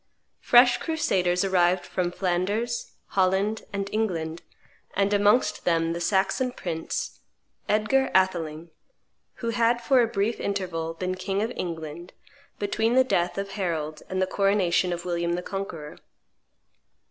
Fresh crusaders arrived from Flanders, Holland, and England, and amongst them the Saxon prince, Edgar Atheling, who had for a brief interval been king of England, between the death of Harold and the coronation of William the Conqueror.